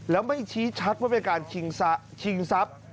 แล้วไม่ชี้ชัดว่าเป็นการชิงทรัพย์